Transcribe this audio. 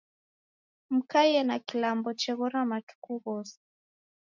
Mukaie na kilambo cheghora matuku ghose